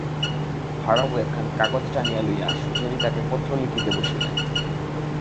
হারানবাবু একখানা কাগজ টানিয়া লইয়া সুচরিতাকে পত্র লিখিতে বসিলেন।